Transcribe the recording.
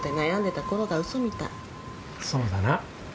そうだな。